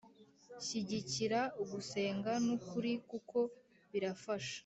Shyigikira ugusenga n’ukuri kuko birafasha.